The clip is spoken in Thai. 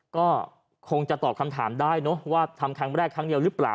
ก็คงจะตอบคำถามได้เนอะว่าทำครั้งแรกครั้งเดียวหรือเปล่า